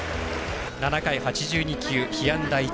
７回、８２球、被安打１。